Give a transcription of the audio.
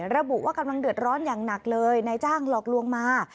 ระบุว่ากำลังเดือดร้อนอย่างหนักเลยนายจ้างหลอกลวงมา